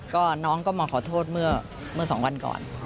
ก็น้องก็มาขอโทษเมื่อ๒วันก่อน